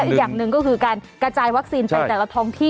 อีกอย่างหนึ่งก็คือการกระจายวัคซีนไปแต่ละท้องที่